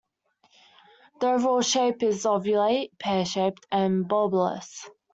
The overall shape is ovate, pear-shaped, and bulbous.